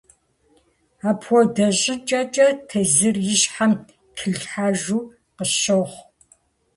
Апхуэдэ щӀыкӀэкӀэ, тезыр и щхьэм трилъхьэжу къысщохъу.